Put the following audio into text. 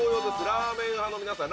ラーメン派の皆さん。